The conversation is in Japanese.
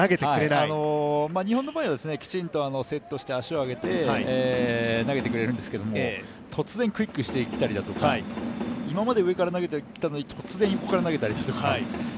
日本の場合はきちんとセットして足を上げて投げてくれるんですけど突然クイックしてきたりだとか今まで上から投げてきたのに突然横から投げたりとか。